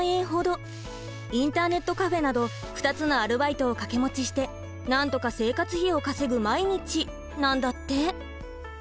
インターネットカフェなど２つのアルバイトを掛け持ちしてなんとか生活費を稼ぐ毎日なんだって。